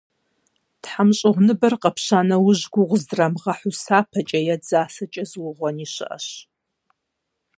ТхьэмщӀыгъуныбэр къэпща нэужь гугъу здрамыгъэхьу сапэкӀэ е дзасэкӀэ зыугъуэни щыӀэщ.